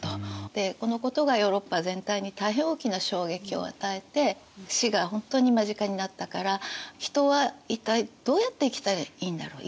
でこのことがヨーロッパ全体に大変大きな衝撃を与えて死が本当に間近になったから人は一体どうやって生きたらいいんだろう